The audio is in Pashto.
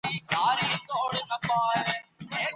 د معلوماتو تکرارول حافظه پیاوړي کوي.